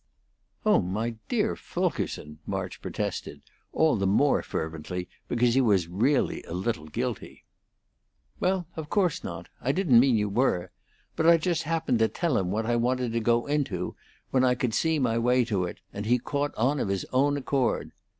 "Oh, my dear Fulkerson!" March protested, all the more fervently because he was really a little guilty. "Well, of course not! I didn't mean you were. But I just happened to tell him what I wanted to go into when I could see my way to it, and he caught on of his own accord.